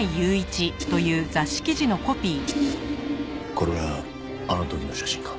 これはあの時の写真か？